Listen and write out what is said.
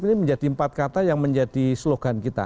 ini menjadi empat kata yang menjadi slogan kita